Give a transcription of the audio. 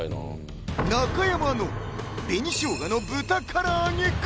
中山の紅生姜の豚唐揚げか？